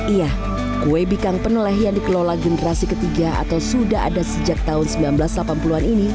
iya kue bikang peneleh yang dikelola generasi ketiga atau sudah ada sejak tahun seribu sembilan ratus delapan puluh an ini